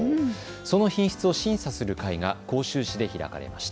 その品質を審査する会が甲州市で開かれました。